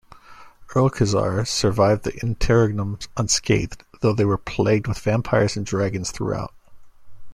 Erlkazar survived the Interregnum unscathed, though they were plagued with vampires and dragons throughout.